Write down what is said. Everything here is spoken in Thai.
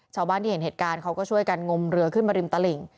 ชาวบ้านที่เห็นเหตุการณ์เขาก็ช่วยกันงมเรือขึ้นมาริมตลิ่ง